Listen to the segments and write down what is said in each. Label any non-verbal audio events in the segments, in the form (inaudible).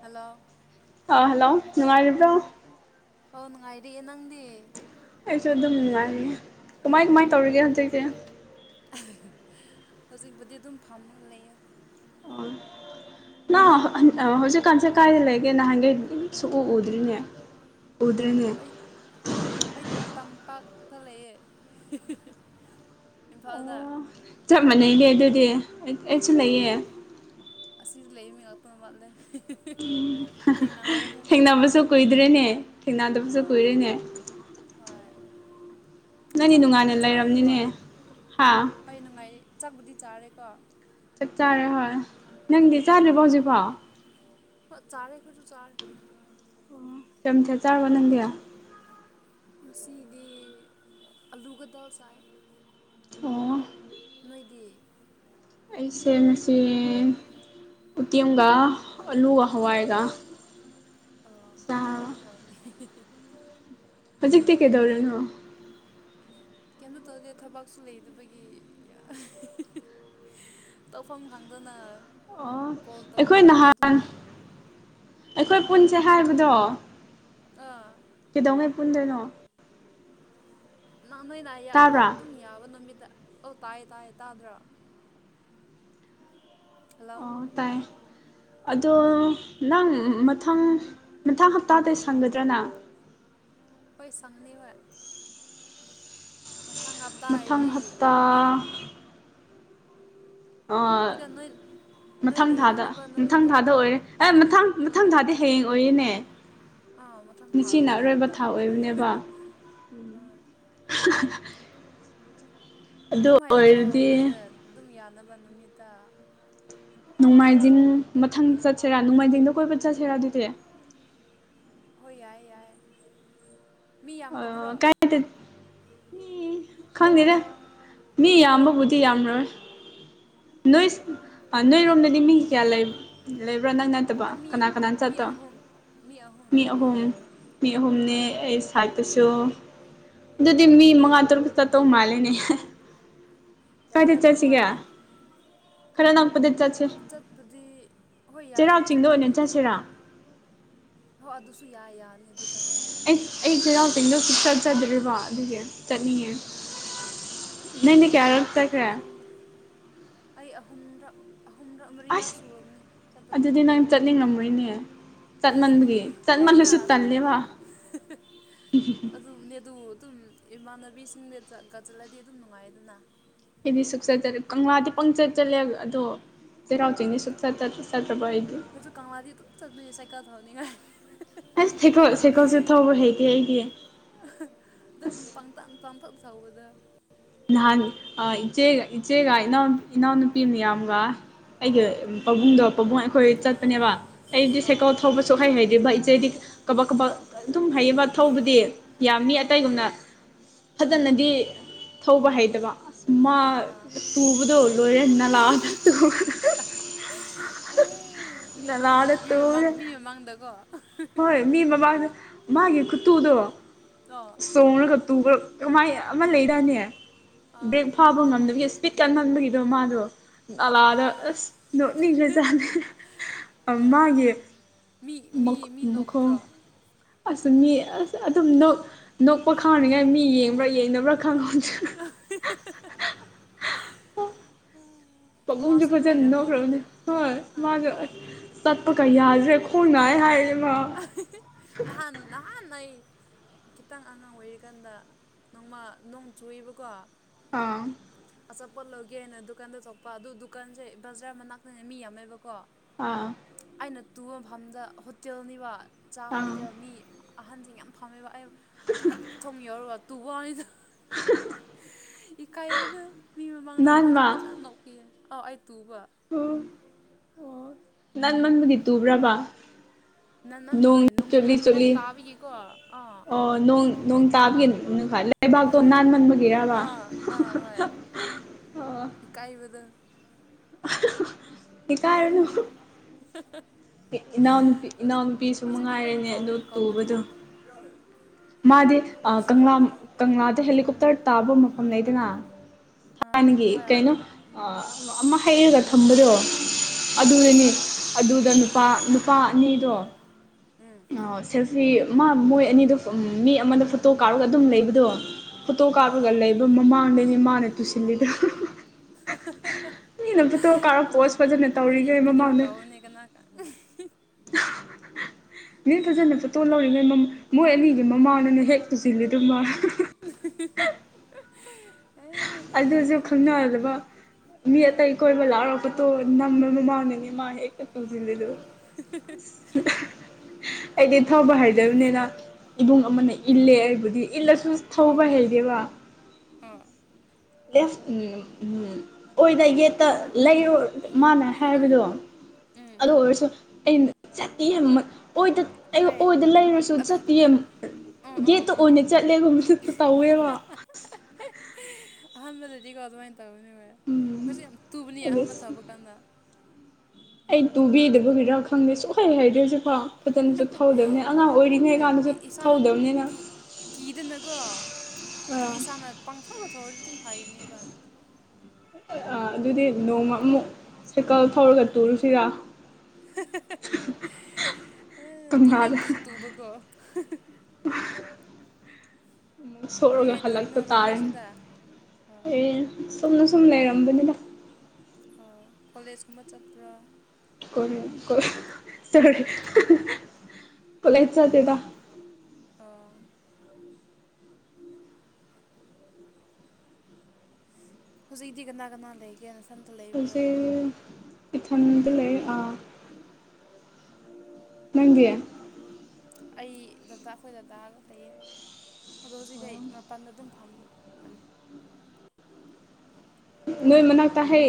Hello ꯑ hello ꯅꯨꯡꯉꯥꯏꯔꯤꯕ꯭ꯔꯣ ꯑꯧ ꯅꯨꯡꯉꯥꯏꯔꯦ ꯅꯪꯗꯤ ꯑꯩꯁꯨ ꯑꯗꯨꯝ ꯅꯨꯡꯉꯥꯏꯉꯦ ꯀꯃꯥꯏ ꯀꯃꯥꯏ ꯇꯧꯔꯤꯒꯦ ꯍꯧꯖꯤꯛꯁꯦ ꯍꯧꯖꯤꯛꯄꯨꯗꯤ ꯑꯗꯨꯝ ꯐꯝꯔ ꯂꯩꯌꯦ ꯑꯣ ꯅ ꯍꯟ ꯑ ꯍꯧꯖꯤꯛꯀꯥꯟꯁꯦ ꯀꯥꯏꯗ ꯂꯩꯒꯦ ꯅꯍꯥꯟꯒꯩ ꯁꯨꯛꯎ ꯎꯗ꯭ꯔꯤꯅꯦ ꯎꯗ꯭ꯔꯦꯅꯦ ꯑꯩ ꯑꯩ ꯇꯝꯄꯥꯛꯇ ꯂꯩꯌꯦ ꯏꯝꯐꯥꯜꯗ ꯑꯣ ꯆꯞ ꯃꯥꯟꯅꯩꯅꯦ ꯑꯗꯨꯗꯤ ꯑꯩꯁꯨ ꯑ ꯂꯩꯌꯦ ꯑꯁꯤꯗ ꯂꯩꯕ ꯃꯤ ꯉꯥꯛꯇ ꯃꯠꯂꯦ ꯊꯦꯡꯅꯕꯗ ꯊꯦꯡꯅꯕꯁꯨ ꯀꯨꯏꯗ꯭ꯔꯦꯅꯦ ꯊꯦꯡꯅꯗꯕꯁꯨ ꯑꯥ ꯀꯨꯏꯔꯦꯅꯦ ꯍꯣꯏ ꯅꯪꯗꯤ ꯅꯨꯡꯉꯥꯏꯅ ꯆꯠꯕꯨꯗꯤ ꯆꯥꯔꯦꯀꯣ ꯂꯩꯔꯝꯅꯤꯅꯦ ꯍꯥ ꯍꯩ ꯅꯨꯡꯉꯥꯏꯔꯤ ꯆꯥꯛꯕꯨꯗꯤ ꯆꯥꯔꯦꯀꯣ ꯆꯛ ꯆꯥꯔꯦ ꯍꯣꯏ ꯅꯪꯗꯤ ꯆꯥꯗ꯭ꯔꯤꯕꯣ ꯍꯧꯖꯤꯛꯐꯥꯎ ꯍꯣꯠ ꯆꯥꯔꯦ ꯑꯈꯣꯏꯖꯨ ꯆꯥꯔꯦ ꯀꯩ ꯃꯊꯦꯜ ꯆꯥꯔꯕꯣ ꯅꯪꯗꯤ ꯉꯁꯤꯗꯤ ꯑꯂꯨꯒ ꯗꯜ ꯆꯥꯏꯌꯦ ꯑꯣ ꯅꯣꯏꯗꯤ ꯑꯩꯁꯦ ꯉꯁꯤ ꯎꯇꯦꯝꯒ ꯑꯂꯨꯒ ꯍꯋꯥꯏꯒ ꯑꯣ ꯆꯥꯔꯕ ꯍꯥꯎꯅꯤ ꯍꯥꯎꯅꯤ ꯍꯧꯖꯤꯛꯇꯤ ꯀꯩꯗꯧꯔꯤꯅꯣ ꯀꯩꯝꯇ ꯇꯧꯗꯦ ꯊꯕꯛꯁꯨ ꯂꯩꯇꯕꯒꯤ ꯇꯧꯐꯝ ꯈꯪꯗꯅ ꯑꯣ ꯀꯣꯜ ꯑꯩꯈꯣꯏ ꯇꯧꯒꯦꯅ ꯑꯗꯨꯝ ꯅꯍꯥꯟ ꯌꯦꯡꯕꯅꯤ ꯑꯩꯈꯣꯏ ꯄꯨꯟꯁꯦ ꯍꯥꯏꯕꯗꯣ ꯑꯥ ꯀꯤꯗꯧꯉꯩ ꯄꯨꯟꯗꯣꯏꯅꯣ ꯅꯪ ꯅꯣꯏꯅ ꯑꯃꯥ ꯇꯥꯕ꯭ꯔꯥ ꯑꯗꯨꯝ ꯌꯥꯕ ꯅꯨꯃꯤꯠꯇ ꯑꯧ ꯇꯥꯏꯌꯦ ꯇꯥꯏꯌꯦ ꯇꯥꯗ꯭ꯔꯣ ꯍꯜꯂꯣ ꯑꯣ ꯇꯥꯏ ꯑꯗꯣ ꯑꯧ ꯅꯪ ꯃꯊꯪ ꯃꯊꯪ ꯍꯞꯇꯥꯗꯤ ꯁꯪꯒꯗ꯭ꯔ ꯅꯪ ꯍꯣꯏ ꯁꯪꯒꯅꯤ ꯍꯣꯏ ꯃꯊꯪ ꯍꯞꯇꯥ ꯃꯊꯪ ꯍꯥꯏꯗꯤ ꯍꯞꯇꯥ ꯍꯣꯏꯗ ꯅꯣꯏꯟ꯭ꯠ ꯃꯊꯪ ꯊꯥꯗ ꯃꯊꯪ ꯊꯥꯗ ꯑꯣꯏꯔꯦ ꯑꯦ ꯃꯊꯪ ꯃꯊꯪ ꯑꯥ ꯊꯥꯗꯤ ꯍꯌꯦꯡ ꯑꯣꯏꯌꯦꯅꯦ ꯑꯥ ꯃꯊꯪ ꯊꯥ ꯅꯤꯆꯤꯅ ꯑꯣꯏꯔꯅꯤ ꯑꯔꯣꯏꯕ ꯍꯞꯇꯥ ꯊꯥꯎ ꯑꯣꯏꯕꯅꯦꯕ (unintelligible) ꯑꯗꯨ ꯑꯗꯨꯝ ꯍꯥꯏꯔꯛꯑꯣ ꯑꯣꯏꯔꯗꯤ ꯅꯣꯏꯅ ꯑꯗꯨꯝ ꯌꯥꯅꯕ ꯅꯨꯃꯤꯠꯇ ꯅꯨꯡꯃꯥꯏꯖꯤꯡ ꯃꯊꯪ ꯆꯠꯁꯤꯔꯥ ꯅꯨꯡꯃꯥꯏꯖꯤꯡꯗ ꯀꯣꯏꯕ ꯆꯠꯁꯤꯔꯥ ꯑꯗꯨꯗꯤ ꯍꯣꯏ ꯌꯥꯏ ꯌꯥꯏ ꯃꯤ ꯑ ꯌꯥꯝꯒꯗ꯭ꯔꯣ ꯀꯥꯏ ꯃꯤ ꯈꯪꯗꯦꯅꯦ ꯃꯤ ꯌꯥꯝꯕꯕꯨꯗꯤ ꯌꯥꯝꯔꯔꯣꯏ ꯑꯣ ꯅꯣꯏꯁ ꯑ ꯅꯣꯏꯔꯣꯝꯗꯗꯤ ꯃꯤ ꯀꯌꯥ ꯂꯩ ꯂꯩꯕ꯭ꯔꯥ ꯅꯪ‌ ꯅꯠ ꯇꯕ ꯑꯩꯈꯣꯏ ꯃꯤ ꯀꯅꯥ ꯀꯅꯟ ꯃꯤ ꯆꯠꯇꯣ ꯑꯍꯨꯝ ꯃꯤ ꯑꯍꯨꯝ ꯃꯤ ꯎꯝ ꯑꯍꯨꯝꯅꯦ ꯑꯩ ꯊꯥꯏꯠꯇꯁꯨ ꯑꯗꯨꯗꯤ ꯃꯤ ꯃꯉꯥ ꯇꯔꯨꯛ ꯆꯠꯇꯧ ꯃꯥꯜꯂꯦꯅꯦ ꯀꯥꯏꯗ ꯌꯥꯏꯔꯝꯗ ꯆꯠꯁꯤꯒꯦ ꯐꯅꯤ ꯈꯔ ꯅꯛꯄꯗ ꯆꯠꯁꯤ ꯆꯠꯄꯗꯤ ꯍꯣꯏ ꯌꯥꯏ ꯆꯩꯔꯥꯎ ꯆꯤꯡꯗ ꯑꯣꯏꯅ ꯆꯠꯁꯤꯔꯥ ꯍꯣ ꯑꯗꯨꯁꯨ ꯌꯥꯏ ꯌꯥꯅꯤ ꯑꯗꯨꯗ ꯍꯣꯏ ꯑꯩꯁ ꯑꯩ ꯆꯩꯔꯥꯎ ꯆꯤꯡꯗ ꯆꯠꯆꯗ꯭ꯔꯤꯕ ꯑꯗꯨꯒꯤ ꯆꯠꯅꯤꯡꯉꯦ ꯑꯣ ꯅꯪꯗꯤ ꯂꯥꯛꯑꯣ ꯀꯌꯥꯔꯛ ꯆꯠꯈ꯭ꯔꯦ ꯁꯣꯝꯗ ꯑꯩ ꯑꯍꯨꯝꯔꯛ ꯑꯍꯨꯝꯔꯛ ꯃꯔꯤꯔꯥ ꯁꯨꯔꯕꯅꯤ ꯆꯠꯄꯗꯣ ꯆꯠꯅꯤꯡꯉꯝꯔꯣꯏꯅꯦ ꯆꯠꯃꯟꯕꯒꯤ ꯌꯥꯏꯗ ꯆꯠꯃꯟꯂꯁꯨ ꯑꯗꯨꯝ ꯇꯜꯂꯦꯕ (unintelligible) ꯑꯗꯨꯕꯨꯅꯦ ꯑꯗꯨ ꯑꯗꯨꯝ ꯏꯃꯥꯟꯅꯕꯤꯁꯤꯡꯅꯦ ꯆꯠꯀ ꯆꯠꯂꯗꯤ ꯑꯗꯨꯝ ꯅꯨꯡꯉꯥꯏꯌꯦꯗꯅ ꯑꯩꯗꯤ ꯁꯨꯛꯆꯠ ꯆꯠꯂꯦ ꯀꯪꯂꯥꯗꯤ ꯄꯪꯆꯠ ꯆꯠꯂꯦ ꯑꯗꯣ꯫ ꯆꯩꯔꯥꯎ ꯆꯤꯡꯗꯤ ꯁꯨꯆꯠ ꯆꯠ ꯇꯔꯕ ꯑꯩꯗꯤ꯫ ꯑꯩꯁꯨ ꯀꯪꯂꯥ ꯗꯤ ꯑꯗꯨꯝ ꯆꯠꯂꯦ ꯁꯥꯏꯀꯥꯜ ꯊꯧꯅꯤꯉꯥꯏ꯫ ꯑꯩꯁ ꯁꯩꯀꯜ ꯁꯩꯀꯜꯁꯨ ꯊꯧꯕ ꯍꯩꯇꯦ ꯑꯩꯗꯤ꯫ ꯑꯗꯨꯝ ꯑꯁ ꯄꯪꯇꯝ ꯄꯪꯊꯧ ꯊꯧꯕꯗ꯫ ꯅꯍꯥꯟ ꯏꯆꯦꯒ ꯏꯆꯦꯒ ꯏꯅꯥꯎ ꯏꯅꯥꯎꯅꯨꯄꯤ ꯃꯌꯥꯝꯒ꯫ ꯑꯩꯒ ꯄꯥꯕꯨꯡꯗꯣ ꯄꯥꯕꯨꯡ ꯑꯩꯈꯣꯏ ꯆꯠꯄꯅꯦꯕ꯫ ꯑꯩꯗꯤ ꯑꯣ ꯁꯥꯏꯀꯥꯟ ꯊꯧꯕꯁꯨ ꯍꯩ ꯗꯦꯕ ꯏꯆꯦꯗꯤ ꯀꯕꯛ ꯀꯕꯛ ꯑꯗꯨꯝ ꯍꯩꯕ꯫ ꯊꯧꯕꯗꯤ ꯌꯥꯝꯃꯤ ꯑꯣ ꯑꯇꯩꯒꯨꯝꯅ ꯐꯖꯅꯗꯤ ꯊꯧꯕ ꯍꯩꯇꯕ꯫ ꯃ ꯑꯥ ꯑꯥ ꯇꯨꯕꯗꯣ ꯂꯣꯏꯔꯦ ꯅꯥꯂ ꯇꯨ ꯑꯩ ꯅꯣꯛꯅꯤꯡꯉꯦ ꯅꯂꯥꯗ ꯃꯤ ꯃꯃꯥꯡ ꯇꯨꯔꯦ ꯃꯤ ꯃꯃꯥꯡꯗꯀꯣ꯫ ꯍꯣꯏ ꯃꯤ ꯃꯃꯥꯡꯗ ꯃꯥꯒꯤ ꯈꯨꯠꯇꯨꯗꯣ꯫ ꯇꯣ꯫ ꯆꯣꯡꯔꯒ ꯇꯨꯕ ꯀꯃꯥꯏ ꯑꯃ ꯂꯩꯗꯥꯏꯅꯦ꯫ ꯑꯥ ꯕ꯭ꯔꯦꯛ ꯐꯥꯕ ꯉꯝꯗꯕꯒꯤ ꯏꯁꯄꯤꯠ ꯀꯥꯟꯉꯝꯕꯒꯤꯗꯣ ꯃꯥꯗꯣ꯫ ꯑꯥ ꯅꯂꯥꯗ ꯑꯥ ꯑꯁ ꯅꯣꯛꯅꯤꯡ ꯈꯔꯥ ꯖꯠꯅꯤ꯫ ꯑ ꯌꯥ ꯃꯥꯒꯤ ꯃꯤ ꯃꯤ ꯃꯤ ꯃꯈꯣꯡ ꯅꯣꯛꯇ꯭ꯔꯣ ꯑꯁ ꯃꯤ ꯑꯁ ꯑꯗꯨꯝ ꯅꯣꯛ ꯅꯣꯛꯄ ꯈꯪꯔꯤꯉꯥꯏ ꯃꯤ ꯌꯦꯡꯕ꯭ꯔꯥ ꯌꯦꯡꯅꯕ꯭ꯔꯥ ꯈꯪꯍꯧꯗ꯭ꯔꯦ꯫ (unintelligible) ꯄꯥꯕꯨꯡꯁꯨ ꯐꯖꯅ ꯏꯀꯥꯏꯔꯝꯅꯤ ꯅꯣꯛꯈ꯭ꯔꯕꯅꯦ ꯑꯗꯨꯗꯤ ꯍꯣꯏ ꯑꯥ ꯃꯥꯁꯨ ꯑꯁ꯫ ꯇꯠꯄ ꯀ ꯌꯥꯗꯔꯦ ꯈꯣꯡꯅꯥꯏꯌꯦ ꯍꯥꯏꯔꯦ ꯃꯥ꯫ ꯅꯍꯥꯟ ꯅꯍꯥꯟ ꯑꯩ ꯈꯤꯇꯪ ꯑꯉꯥꯡ ꯑꯣꯏꯔꯤꯀꯥꯟꯗ ꯅꯣꯡꯃ ꯅꯣꯡ ꯆꯨꯏꯕꯀꯣ꯫ ꯑꯥ꯫ ꯑꯆꯥꯄꯣꯠ ꯂꯧꯒꯦꯅ ꯗꯨꯀꯥꯟꯗ ꯆꯠꯄ ꯑꯗꯨ ꯗꯨꯀꯥꯟꯁꯦ ꯕꯖꯥꯔ ꯃꯅꯥꯛꯇꯅꯦ ꯃꯤ ꯌꯥꯝꯃꯦꯕꯀꯣ꯫ ꯑꯥ꯫ ꯑꯩꯅ ꯇꯨꯕ ꯃꯐꯝꯗ ꯍꯣꯇꯦꯜꯅꯤꯕ ꯆꯥ ꯑꯥ ꯍꯣꯇꯦꯜ ꯃꯤ ꯑꯍꯟꯁꯤꯡ ꯌꯥꯝ ꯐꯝꯃꯦꯕ ꯑꯩ ꯑꯗꯨ ꯍꯦꯛꯇ ꯊꯣꯡ ꯌꯧꯔꯒ ꯇꯨꯕꯅꯤꯗ꯫ ꯏꯀꯥꯏꯕꯗꯨ ꯃꯤ ꯃꯃꯥꯡꯗ ꯅꯥꯟ ꯃꯣꯏꯁꯨ ꯃꯥ ꯐꯖꯅ ꯅꯣꯛꯄꯤꯌꯦ ꯑꯥꯎ ꯑꯩ ꯇꯨꯕ꯫ ꯑꯣ ꯅꯟꯃꯟꯕꯒꯤ ꯇꯨꯕ꯭ꯔꯕ꯫ ꯅꯟꯃꯟꯕꯒꯤ ꯅꯣꯡ ꯍꯣꯏ ꯆꯨꯞꯂꯤ ꯅꯣꯡ ꯅꯣꯡ ꯆꯨꯞꯂꯤ ꯇꯥꯕꯒꯤꯀꯣ ꯑꯥ꯫ ꯑꯣ ꯅꯣꯡ ꯅꯣꯡ ꯇꯥꯕꯒꯤ ꯂꯩꯕꯥꯛꯇꯣ ꯅꯥꯟꯃꯟꯕꯒꯤꯔꯕ꯫ ꯑꯥ ꯑꯥ ꯍꯣꯏ ꯏꯀꯥꯏꯕꯗꯨ꯫ ꯏꯀꯥꯏꯔꯨꯅꯨ꯫ (unintelligible) ꯏꯅꯥꯎꯅꯨꯄꯤ ꯏꯅꯥꯎꯅꯨꯄꯤꯁꯨ ꯍꯧꯖꯤꯛꯇꯤ ꯂꯣꯏꯅ ꯃꯉꯥꯏꯔꯅꯦ ꯑꯗꯨ ꯀꯥꯎꯔꯅꯤ ꯀꯥꯎꯕꯗꯤ ꯇꯨꯕꯗꯣ꯫ (unintelligible) ꯃꯥꯗꯤ ꯑꯥ ꯀꯪꯂꯥ ꯀꯪꯂꯥꯗ ꯍꯦꯂꯤꯀꯣꯞꯇꯔ ꯇꯥꯕ ꯃꯐꯝ ꯂꯩꯗꯅ꯫ ꯍꯥꯟꯅꯒꯤ ꯍꯣꯏ ꯍꯣꯏ ꯀꯩꯅꯣ ꯑꯃ ꯍꯩꯔꯒ ꯊꯝꯕꯗꯣ꯫ ꯑꯗꯨꯗꯅꯤ ꯑꯗꯨꯗ ꯅꯨꯄꯥ ꯅꯨꯄꯥ ꯑꯅꯤꯗꯣ꯫ ꯎꯝ ꯑꯣ ꯁꯦꯜꯐꯤ ꯃꯥ ꯃꯣꯏ ꯑꯅꯤꯗ ꯃꯤ ꯑꯃꯗ ꯐꯣꯇꯣ ꯀꯥꯔꯒ ꯑꯗꯨꯝ ꯂꯩꯕꯗꯣ꯫ ꯄꯣꯇꯣ ꯑꯥ ꯀꯥꯞꯄꯒ ꯑꯥ ꯂꯩꯕ ꯃꯃꯥꯡꯗꯅꯦ ꯃꯥꯅ ꯇꯨꯁꯤꯟꯜꯂꯤꯗꯨ꯫ ꯃꯤꯅ ꯄꯨꯠꯇꯣ ꯀꯥꯔꯄꯣꯁ ꯃꯣꯏ ꯐꯖꯅ ꯃꯣꯏ ꯇꯧꯔꯤꯒꯦ ꯚꯤꯗꯤꯑꯣ ꯃꯃꯥꯡꯗ ꯀꯥꯎꯕꯅꯦ ꯀꯅꯥ ꯀ ꯃꯤ ꯐꯖꯅ ꯐꯣꯇꯣ ꯂꯧꯔꯤꯉꯩꯃ ꯃꯣꯏ ꯑꯅꯤꯒꯤ ꯃꯃꯥꯡꯗꯅꯤ ꯍꯦꯛ ꯇꯨꯁꯤꯜ ꯂꯤꯗꯨ ꯃꯥ꯫ (unintelligible) ꯑꯗꯨꯁꯨ ꯅꯣꯛꯅꯤꯡꯉꯦ ꯑꯗꯨꯗꯤ ꯈꯪꯅꯗꯕ ꯃꯤ ꯑꯥ ꯑꯇꯩ ꯀꯣꯏꯕ ꯂꯥꯛꯑꯒ ꯐꯣꯇꯣ ꯅꯝꯕ ꯃꯃꯥꯡꯗꯅꯦ ꯃꯥꯅ ꯍꯦꯛꯇ ꯇꯧꯁꯤꯜꯂꯤꯗꯨ꯫ (unintelligible) ꯑꯩꯗꯤ ꯊꯧꯕ ꯍꯩꯗꯕꯅꯤꯅ ꯏꯕꯨꯡ ꯑꯃꯅ ꯏꯜꯂꯦ ꯑꯩꯕꯨꯗꯤ ꯏꯜꯂꯁꯨ ꯊꯧꯕ ꯑꯣ ꯍꯩꯔꯦꯕ ꯑꯥ ꯂꯦꯐ ꯎ ꯎ ꯑꯣꯏꯗ ꯌꯦꯠꯇ ꯂꯩꯔꯣ ꯃꯥꯅ ꯎꯝ ꯎꯝ ꯍꯥꯏꯕꯗꯣ ꯎꯝ ꯑꯗꯨ ꯑꯣꯏꯔꯁꯨ ꯑꯩꯅ ꯆꯇꯤꯌꯦ ꯃꯠ ꯑꯣꯏꯗ ꯂꯩꯌꯣ ꯍꯣꯏ ꯑꯣꯏꯗ ꯂꯩꯔꯁꯨ ꯑꯗꯨꯝ ꯆꯥꯠꯇꯤ ꯑꯃ ꯎꯝ ꯎꯝ ꯒꯦꯠꯇ ꯑꯣꯏꯅ ꯆꯠꯂꯦꯕ ꯃꯁꯛꯇꯨ ꯇꯧꯋꯦꯕ ꯑꯍꯥꯝꯕꯗꯗꯤꯀꯣ ꯑꯗꯨꯃꯥꯏꯅ ꯇꯧꯕꯅꯦꯕ ꯎꯝ ꯈꯣꯏꯖꯤꯛ ꯌꯥꯝ ꯇꯨꯕꯅꯤ ꯑꯗꯨ ꯑꯍꯥꯟꯕ ꯊꯧꯕ ꯀꯥꯟꯗ ꯑꯩ ꯇꯨꯕꯤꯗꯕꯒꯤꯔꯥ ꯈꯪꯗꯦ ꯁꯨꯛꯍꯩ ꯍꯩꯇ꯭ꯔꯤꯁꯦ ꯀꯣ ꯐꯖꯅꯁꯨ ꯊꯧꯗꯕꯅꯤ ꯑꯉꯥꯡ ꯑꯣꯏꯔꯤꯉꯩ ꯍꯣꯏ ꯀꯥꯟꯗꯁꯨ ꯏꯁꯥꯅ ꯑꯗꯨꯝ ꯊꯧꯗꯕꯅꯤꯅ ꯀꯤ ꯀꯤꯗꯅꯀꯣ ꯑꯗꯨꯝ ꯑꯥ ꯏꯁꯥꯅ ꯄꯪꯊꯧꯗ ꯊꯧꯔꯗꯤ ꯑꯗꯨꯝ ꯍꯥꯏꯔꯤꯅꯦꯕ ꯑ ꯑꯗꯨꯗꯤ ꯅꯣꯡꯃ ꯑꯃꯨꯛ ꯁꯥꯏꯀꯜ ꯊꯧꯔꯒ ꯇꯨꯔꯨꯁꯤꯔꯥ ꯑꯦ ꯀꯪꯂꯥꯗ ꯇꯨꯅꯤꯡꯗꯔꯖꯨ ꯇꯨꯕꯀꯣ ꯑꯃꯨꯛ ꯁꯣꯛꯔꯒ ꯀꯩꯀꯩ ꯇꯧꯔꯤꯅꯣ ꯍꯜꯂꯛꯇ ꯅꯪꯗꯤ ꯇꯥꯔꯅꯤ ꯁꯤꯗ ꯑꯣ ꯑꯦ ꯆꯨꯝꯅ ꯁꯨꯝ ꯂꯩꯔꯝꯕꯅꯤꯗ ꯑꯣ ꯀꯣꯂꯦꯖꯀꯨꯝꯕ ꯆꯠꯄ꯭ꯔꯥ (unintelligible) ꯑꯥ ꯍꯧꯖꯤꯛꯗꯤ ꯀꯅꯥ ꯀꯅꯥ ꯂꯩꯒꯦ ꯅꯊꯟ ꯍꯧꯖꯤꯛ ꯏꯊꯟꯗ ꯂꯩꯌꯦ ꯑ ꯅꯪꯗꯤ ꯑꯩ ꯗꯥꯗꯥ ꯑꯩꯈꯣꯏ ꯗꯥꯗꯥꯒ ꯂꯩꯩꯌꯦ ꯑꯗꯣ ꯍꯧꯖꯤꯛꯗꯤ ꯑꯩ ꯃꯄꯥꯟꯗ ꯑꯗꯨꯝ ꯐꯝꯕꯅꯤ ꯅꯣꯏ ꯃꯅꯥꯛꯇ ꯍꯩ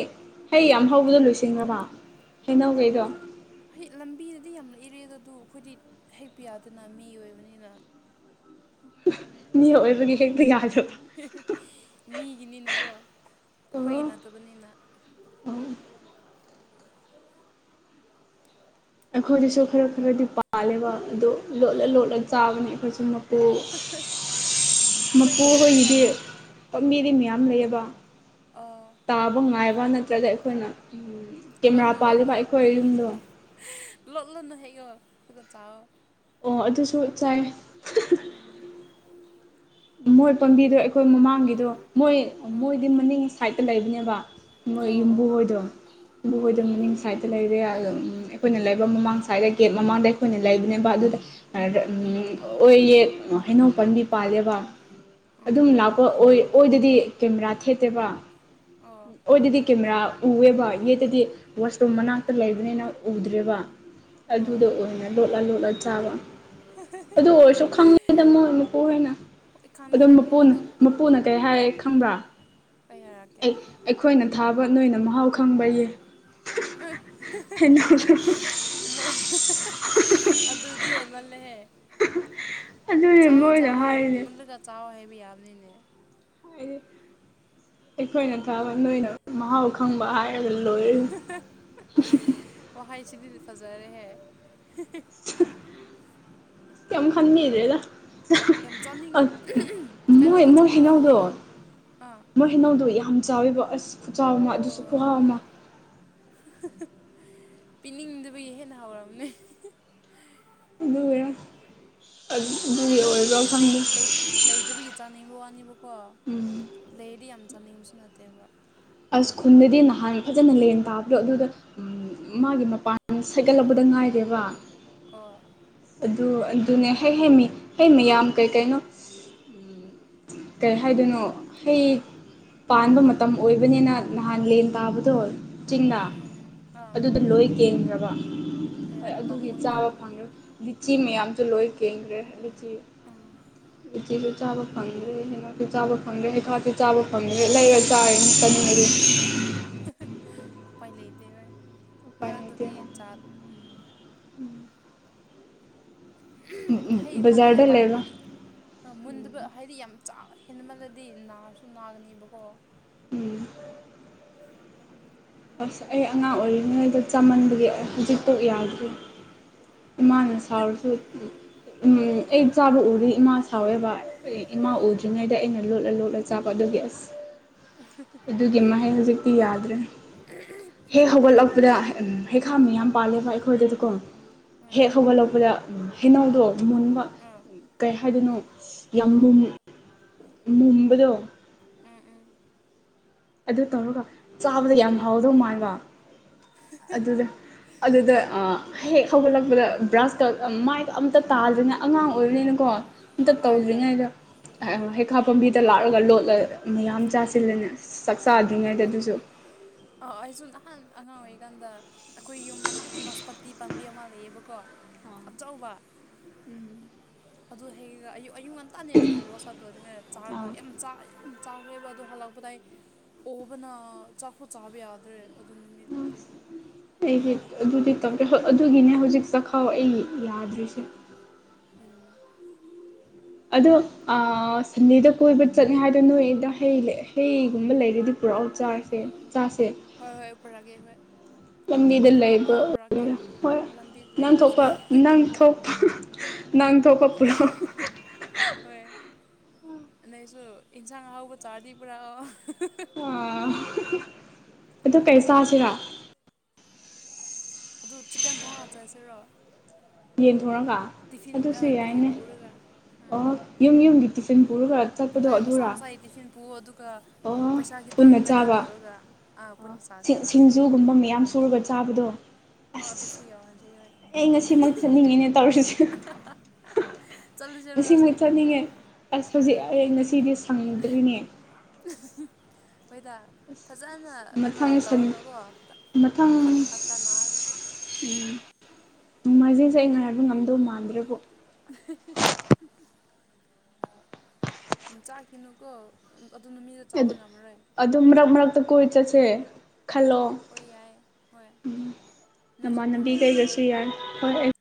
ꯍꯩ ꯌꯥꯝ ꯍꯧꯕꯗꯣ ꯂꯣꯏꯁꯤꯟꯒꯔꯕ ꯍꯩꯅꯧꯈꯩꯗꯣ ꯍꯩ ꯂꯝꯕꯤꯗꯗꯤ ꯌꯥꯝ ꯂꯩꯔꯦꯗ ꯑꯗꯨ ꯑꯩꯈꯣꯏꯗꯤ ꯍꯦꯛꯄ ꯌꯥꯗꯅ ꯃꯤ ꯑꯣꯏꯕꯅꯤꯅ ꯍꯨꯝ ꯃꯤ ꯑꯣꯏꯕꯒꯤ ꯍꯦꯛꯄ ꯌꯥꯗ꯭ꯔꯕ ꯃꯤꯒꯤꯅꯤꯅꯀꯣ ꯑꯩꯈꯣꯏꯒꯤ ꯑꯣ ꯅꯠꯇꯕꯅꯤꯅ (unintelligible) ꯑꯩꯈꯣꯏꯗꯁꯨ ꯈꯔ ꯈꯔꯗꯤ ꯄꯥꯜꯂꯦꯕ ꯑꯗꯣ ꯂꯣꯠꯂ ꯑꯥ ꯂꯣꯠꯂ ꯆꯥꯕꯅꯤ ꯑꯩꯈꯣꯏꯁꯨ ꯃꯄꯨ ꯑꯩꯈꯣꯏ ꯃꯄꯨ ꯀꯣꯂꯦꯖꯇ ꯍꯣꯏꯒꯤꯗꯤ ꯄꯥꯝꯕꯤꯗꯤ ꯃꯌꯥꯝ ꯂꯩꯌꯦꯕ ꯑꯣ ꯇꯥꯕ ꯉꯥꯏꯕ ꯅꯠꯇ꯭ꯔꯒ ꯑꯩꯈꯣꯏꯅ ꯎꯝ ꯀꯦꯃꯦꯔꯥ ꯄꯥꯜꯂꯤꯕ ꯑꯩꯈꯣꯏ ꯌꯨꯝꯗꯣ ꯂꯣꯠꯂꯨꯅꯨ ꯍꯦꯛꯌꯣ ꯑꯗꯨꯒ ꯆꯥꯑꯣ ꯑꯣ ꯑꯗꯨꯁꯨ ꯆꯥꯏ ꯎꯝ ꯃꯣꯏ ꯄꯥꯝꯕꯤꯗꯣ ꯑꯩꯈꯣꯏ ꯃꯃꯥꯡꯒꯤꯗꯣ ꯃꯣꯏ ꯑ ꯑꯥ ꯃꯣꯏꯗꯤ ꯃꯅꯤꯡ ꯁꯥꯏꯗꯠꯇ ꯂꯩꯕꯅꯦꯕ ꯃꯣꯏ ꯑꯣ ꯌꯨꯝꯕꯨ ꯑꯣ ꯍꯣꯏꯗꯣ ꯑꯣ ꯌꯨꯝꯕꯨꯍꯣꯏꯗꯣ ꯃꯅꯤꯡ ꯁꯥꯏꯠꯇ ꯂꯩꯔꯦ ꯑꯗꯨꯝ ꯎꯝ ꯑꯩꯈꯣꯏꯅ ꯂꯩꯕ ꯃꯃꯥꯡ ꯁꯥꯏꯠꯇ ꯒꯦꯠ ꯃꯃꯥꯡꯗ ꯑꯩꯈꯣꯏꯅ ꯂꯩꯕꯅꯦꯕ ꯑꯗꯨꯗ (unintelligible) ꯎꯝ ꯑꯗꯨꯝ ꯂꯥꯛꯄ ꯑꯣꯏ ꯑꯣꯏꯗꯗꯤ ꯀꯦꯃꯦꯔꯥ ꯊꯦꯠꯇꯦꯕ ꯑꯣ ꯑꯣꯏꯗꯗꯤ ꯀꯦꯃꯦꯔꯥ ꯎꯑꯦꯕ ꯌꯦꯠꯇꯗꯤ ꯋꯥꯁꯔꯨꯝ ꯃꯅꯥꯛꯇ ꯂꯩꯕꯅꯤꯅ ꯎꯗ꯭ꯔꯦꯕ ꯑꯣ ꯑꯗꯨꯗ ꯑꯣꯏꯅ ꯂꯣꯠꯂ ꯂꯣꯠꯂ ꯆꯥꯕ ꯑꯗꯨ ꯑꯣꯏꯔꯁꯨ ꯈꯪꯉꯤꯗ ꯃꯣꯏ ꯃꯄꯨ ꯍꯣꯏꯅ ꯈꯪꯗꯤ ꯑꯗꯨꯝ ꯈꯪꯅꯤꯗ ꯃꯄꯨꯅ ꯑꯗꯨ ꯃꯞ ꯄꯨꯨꯅ ꯀꯩ ꯍꯥꯏ ꯈꯪꯕ꯭ꯔꯥ ꯀꯩꯍꯥꯏꯔꯛ ꯑꯦꯛ ꯑꯩꯈꯣꯏꯅ ꯊꯥꯕ ꯅꯣꯏꯅ ꯃꯍꯥꯎ ꯈꯪꯕꯌꯦ ꯍꯩꯅꯧꯗꯣ (unintelligible) ꯗꯤꯍꯦꯟꯃꯜꯂꯦꯍꯦ ꯑꯗꯨꯅꯦ ꯃꯣꯏꯅ ꯆꯥꯑꯣꯆꯥꯑꯣ ꯍꯥꯏꯔꯤꯅꯦ ꯃꯨꯟꯂꯒ ꯆꯥꯎ ꯍꯥꯏꯕ ꯌꯥꯕꯅꯤꯅꯦ ꯍꯥꯏꯗꯤ ꯑꯩꯈꯣꯏꯅ ꯊꯥꯕ ꯅꯣꯏꯅ ꯃꯍꯥꯎ ꯈꯪꯕ ꯍꯥꯏ ꯂꯣꯏꯔꯦ ꯋꯥꯍꯩꯁꯤꯗꯤꯗꯤ ꯐꯖꯔꯦꯍꯦ ꯌꯥꯝ ꯈꯟꯕꯤꯗ꯭ꯔꯦꯗ ꯌꯥꯝ ꯆꯥꯅꯤꯡ ꯑ ꯃꯣꯏ ꯀꯩꯅꯣꯗ ꯃꯣꯏ ꯆꯠꯂꯣ ꯍꯩꯅꯧꯗꯣ ꯍꯦꯛꯑꯣ ꯑꯥ ꯃꯣꯏ ꯍꯩꯅꯧꯗꯣ ꯌꯥꯝ ꯆꯥꯎꯋꯦꯕ ꯑꯁ ꯈꯨꯆꯥꯎꯑꯃ ꯑꯗꯨꯁꯨ ꯑꯣ ꯈꯨꯍꯥꯎ ꯑꯃ ꯄꯤꯅꯤꯡꯗꯕꯒꯤ ꯍꯦꯟꯅ ꯍꯥꯎꯔꯝꯅꯦ ꯑꯗꯨꯒꯤꯔ ꯑꯗꯨ ꯍꯩꯅꯧꯁꯤꯡꯁꯦ ꯂꯩ ꯂꯩ ꯂꯩꯗꯕꯒꯤ ꯆꯥꯅꯤꯡꯕ ꯋꯥꯅꯦꯕꯀꯣ ꯎꯝ ꯂꯩꯔꯗꯤ ꯌꯥꯝ ꯆꯥꯅꯤꯡꯕꯁꯨ ꯅꯠꯇꯦꯕ ꯑꯁ ꯈꯨꯟꯗꯗꯤ ꯅꯍꯥꯟ ꯐꯖꯅ ꯂꯦꯟ ꯇꯥꯕꯗꯣ ꯑꯗꯨꯗ ꯃꯥꯒꯤ ꯃꯄꯥꯟ ꯁꯒꯠꯂꯛꯄꯗ ꯉꯥꯏꯔꯦꯕ ꯑꯣꯥ ꯑꯗꯨ ꯑꯗꯨꯅꯦ ꯍꯦꯛꯍꯦꯛꯃꯤ ꯍꯦꯛꯃꯤꯌꯥꯝ ꯀꯩ ꯀꯩꯅꯣ ꯀꯩ ꯍꯥꯏꯗꯣꯏꯅꯣ ꯍꯩ ꯄꯥꯟꯕ ꯃꯇꯝ ꯑꯣꯏꯕꯅꯤꯅ ꯅꯍꯥꯟ ꯂꯦꯟ ꯇꯥꯕꯗꯣ ꯆꯤꯡꯅꯥ ꯎꯝ ꯎꯝ ꯎꯝ ꯑꯥ ꯑꯗꯨꯗ ꯂꯣꯏ ꯀꯦꯟꯈ꯭ꯔꯕ ꯑꯌꯥ ꯑꯗꯨꯒꯤ ꯆꯥꯕ ꯄꯥꯃꯨꯏꯗꯀꯣ ꯐꯪꯗ꯭ꯔꯦ ꯂꯤꯆꯤ ꯃꯌꯥꯝꯁꯨ ꯂꯣꯏ ꯀꯦꯟꯈ꯭ꯔꯦ ꯂꯤꯆꯤ ꯑꯥ ꯁꯤꯁꯨ ꯆꯥꯕ ꯐꯪꯗ꯭ꯔꯦ ꯍꯩꯅꯧꯁꯨ ꯆꯥꯕ ꯐꯪꯗ꯭ꯔꯦ ꯍꯩꯈꯥꯁꯨ ꯆꯥꯕ ꯐꯪꯗ꯭ꯔꯦ ꯂꯩꯔ ꯆꯥꯌꯦꯆꯥꯅꯤꯡꯉꯥꯗꯤ ꯎꯄꯥꯏ ꯂꯩꯇꯦ ꯍꯣꯏ ꯎꯄꯥꯏ ꯂꯩꯇꯦ ꯃꯔꯛꯇꯗꯤ ꯆꯥ ꯍꯩꯒꯨꯝꯕ ꯑꯩꯈꯣꯏꯅ ꯕꯖꯥꯔꯗ ꯂꯩꯕ ꯄꯥꯝꯕꯋꯥꯅꯤ ꯃꯨꯟꯗꯕ ꯍꯥꯏꯗꯤ ꯌꯥꯝ ꯆꯥꯕꯍꯦꯟꯃꯜꯂꯗꯤ ꯅꯥꯁꯨ ꯅꯥꯒꯅꯦꯕꯀꯣ ꯎꯝ ꯑꯁ ꯑꯩꯑꯉꯥꯡ ꯑꯣꯏꯔꯤꯉꯩꯗ ꯆꯃꯟꯕꯒꯤ ꯍꯧꯖꯤꯛꯐꯧ ꯌꯥꯗ꯭ꯔꯤ ꯏꯃꯥꯅ ꯁꯥꯎꯔꯁꯨ ꯑꯩ ꯑꯥ ꯆꯥꯕ ꯎꯔꯗꯤ ꯏꯃꯥꯅ ꯁꯥꯎꯋꯦꯕ ꯗꯨꯒꯤꯑꯩ ꯏꯃꯥ ꯑꯥ ꯎꯗ꯭ꯔꯤꯉꯩꯗ ꯑꯩꯅ ꯂꯣꯠꯂ ꯂꯣꯠꯂ ꯆꯥꯕ ꯑꯗꯨꯒꯤ ꯑꯁ ꯑꯗꯨꯒꯤ ꯃꯍꯩ ꯍꯧꯖꯤꯛꯇꯤ ꯌꯥꯗ꯭ꯔꯦ ꯎꯝ ꯍꯦꯛ ꯍꯧꯒꯠꯂꯛꯄꯗ ꯍꯦꯈꯥ ꯃꯌꯥꯝ ꯄꯥꯜꯂꯦꯕ ꯑꯩꯈꯣꯏꯗꯗꯤꯀꯣ ꯍꯦꯛ ꯎꯝ ꯍꯧꯒꯠꯂꯛꯄꯗ ꯍꯩꯅꯎꯗꯣ ꯃꯨꯟꯕ ꯎꯝ ꯀꯩ ꯍꯥꯏꯗꯣꯏꯅꯣ ꯌꯥꯝ ꯂꯨꯝ ꯃꯨꯝꯕꯗ ꯎꯝ ꯎꯝ ꯑꯗꯨ ꯇꯧꯔꯒ ꯆꯥꯕꯗ ꯌꯥꯝ ꯍꯥꯎꯗꯧ ꯃꯕ ꯑꯗꯨꯗ ꯑꯗꯨꯗꯗ ꯑ ꯍꯦꯛ ꯍꯧꯒꯠꯂꯛꯄꯗ ꯕ꯭ꯔꯁꯀ ꯃꯥꯏꯗꯣ ꯑꯝꯇ ꯇꯥꯗꯅ ꯑꯉꯥꯡ ꯑꯣꯏꯕꯅꯤꯅꯀꯣ ꯑꯝꯇ ꯍꯣꯏ ꯍꯣꯏ ꯇꯧꯗ꯭ꯔꯤꯉꯩꯗ ꯍꯩꯈꯥ ꯄꯥꯝꯕꯤꯗ ꯂꯥꯛꯂꯒ ꯂꯣꯠꯂ ꯃꯌꯥꯝ ꯆꯥꯁꯤꯜꯂꯅꯦ ꯆꯥꯛ ꯆꯥꯗ꯭ꯔꯤꯉꯩꯗ ꯑꯗꯨꯁꯨ ꯑꯥ ꯑꯩ ꯁꯨꯝꯝ ꯅꯍꯥꯟ ꯑꯉꯥꯡ ꯑꯣꯏꯔꯤꯀꯥꯟꯗ ꯑꯩꯈꯣꯏ ꯌꯨꯝ ꯃꯅꯥꯛꯇ ꯅꯥꯁꯄꯇꯤ ꯄꯥꯝꯕꯤ ꯑꯃ ꯂꯩꯌꯦꯕꯀꯣ ꯑꯥ ꯑꯆꯧꯕ ꯑꯗꯨ ꯍꯌꯦꯡ ꯑꯨꯛ ꯑꯌꯨꯛ ꯉꯟꯇꯥꯅꯦ ꯑꯩꯁꯨ ꯋꯥꯆꯞ ꯇꯧꯔꯤꯉꯗ ꯆꯥꯔꯒ ꯑꯥ ꯌꯥꯝ ꯌꯥꯝ ꯆꯥꯈ꯭ꯔꯦꯕ ꯑꯗꯣ ꯍꯜꯂꯛꯄꯗ ꯑꯩ ꯑꯣꯕꯅ ꯆꯥꯛꯐꯨ ꯆꯥꯕ ꯌꯥꯗ꯭ꯔꯦ ꯑꯗꯨ ꯅꯨꯃꯤꯠꯗꯨꯕꯨꯗꯤ ꯑꯩꯁꯦ ꯑꯗꯨꯗꯤ ꯇꯧꯦ ꯑꯗꯨꯒꯤꯅꯦ ꯍꯧꯖꯤꯛ ꯆꯈꯥꯎ ꯑꯩ ꯌꯥꯗ꯭ꯔꯤꯁꯦ ꯎꯝ ꯑꯗꯣ ꯁꯟꯗꯦꯗ ꯀꯣꯏꯕ ꯆꯠꯅꯤ ꯍꯥꯏꯗꯣ ꯅꯣꯏꯗ ꯍꯩ ꯍꯩꯒꯨꯝꯕ ꯂꯩꯔꯗꯤ ꯄꯨꯔꯥꯎ ꯆꯁꯦ ꯆꯥꯁꯦ ꯍꯣꯏ ꯍꯣꯏ ꯄꯨꯔꯥꯒꯦ ꯍꯣꯏ ꯂꯝꯕꯤꯗ ꯑꯐꯪ ꯂꯩꯕ ꯑꯐꯪꯕ ꯄꯨꯔꯛꯀꯦ ꯍꯣꯏ ꯂꯝꯕꯤꯗ ꯅꯪ ꯂꯩꯕꯁꯨ ꯊꯣꯛꯄ ꯅꯪ ꯊꯣꯛꯄ ꯅꯪꯊꯣꯛ ꯀ ꯑꯥ ꯄꯨꯔꯣ ꯍꯣꯏ ꯑꯗꯩꯁꯨ ꯏꯟꯁꯥꯡ ꯑꯍꯥꯎꯕ ꯆꯥꯔꯗꯤ ꯄꯨꯔꯥ ꯑꯣ ꯑꯗꯨ ꯀꯩ ꯆꯥꯁꯤꯔ ꯑꯗꯨꯣ ꯆꯤꯛꯀꯟ ꯊꯧꯅꯥ ꯆꯠꯁꯤꯔꯣ ꯌꯦꯟꯊꯣꯔꯒ ꯑꯗꯨꯁꯨ ꯑꯥ ꯇꯤꯐꯤꯟ ꯌꯥꯏꯅꯦ ꯄꯨꯔꯒ ꯑꯥ ꯑꯣ ꯌꯨꯝ ꯌꯨꯝꯒꯤ ꯇꯤꯐꯤꯟ ꯄꯨꯔꯒ ꯆꯠꯄꯗꯣ ꯍꯣꯏ ꯃꯁꯥ ꯑꯗꯨꯔꯥ ꯃꯁꯥꯒꯤ ꯇꯤꯐꯤꯟ ꯄꯨ ꯑꯗꯨꯒ ꯑꯣ ꯄꯩꯁꯥ ꯈꯤꯇꯪ ꯄꯨꯟꯅ ꯀꯩꯅꯣ ꯆꯥꯕ ꯇꯧꯔꯒ ꯄꯨꯟꯅ ꯆꯥꯁꯦꯕ ꯖꯨꯒꯨꯝꯕ ꯃꯌꯥꯝ ꯁꯨꯔꯒ ꯆꯥꯕꯗꯣ ꯑꯥ ꯑꯗꯨꯁꯨ ꯑꯁ ꯌꯥꯎꯍꯟꯁꯦ ꯌꯥꯏ ꯑꯩ ꯉꯁꯤꯃꯛ ꯆꯠꯅꯤꯡꯉꯤꯅꯦ ꯇꯧꯔꯤꯁꯤꯦ ꯆꯠꯂꯨꯁꯤꯔꯣ ꯉꯁꯤꯃꯨꯛ ꯍꯧꯖꯤꯛ ꯆꯠꯅꯤꯡꯉꯦ ꯑꯁꯄꯖꯤꯛ ꯑꯥ ꯑꯩ ꯉꯁꯤꯗꯤ ꯁꯪꯗ꯭ꯔꯤꯅꯦ ꯍꯣꯏꯗ ꯐꯖꯅ ꯀꯩꯅꯣ ꯃꯊꯪ ꯁꯟ ꯇꯧꯔꯒꯀꯣ ꯃꯊꯪ ꯇꯅꯔꯒ ꯎꯝ ꯅꯣꯡꯃꯥꯏꯖꯤꯡꯁꯦ ꯑꯩ ꯉꯥꯏꯕ ꯉꯝꯗꯧ ꯃꯥꯟꯗ꯭ꯔꯕꯣ (unintelligible) ꯆꯥꯈꯤꯅꯨꯀꯣ ꯑꯗꯨ ꯅꯨ ꯃꯤꯗ ꯆꯥꯕ ꯉꯝꯃꯔꯣꯏ ꯑꯗꯨꯝ ꯃꯔꯛ ꯃꯔꯛꯇ ꯀꯣꯏ ꯆꯠꯁꯦ ꯈꯜꯂꯣ ꯍꯣꯏ ꯌꯥꯏ ꯍꯣꯏ ꯎꯝ ꯅꯣꯏꯁꯨ ꯅꯃꯥꯟ ꯑꯗꯨꯝ ꯂꯝꯕꯤ ꯀꯩꯒꯁꯨ ꯍꯥꯏꯔꯛꯑꯣ ꯌꯥꯏ ꯍꯣꯏ